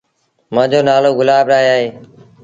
مآݩجو نآلو گلاب راء اهي۔